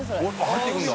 △入っていくんだ。